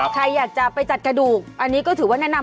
ใครอยากจะไปจัดกระดูกอันนี้ก็ถือว่าแนะนำ